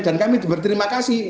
dan kami berterima kasih